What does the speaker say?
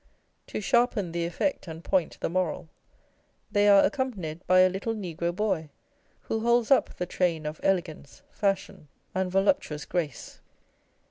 To sharpen the effect and point the moral, they are accompanied by a little negro boy, who holds up the train of elegance, fashion, and voluptuous grace